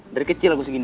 dari kecil aku segini